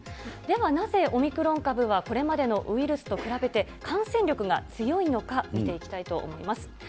ではなぜ、オミクロン株はこれまでのウイルスと比べて、感染力が強いのか見ていきたいと思います。